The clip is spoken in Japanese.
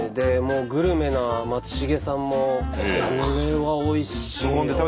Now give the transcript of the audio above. グルメな松重さんも「これはおいしいよ」。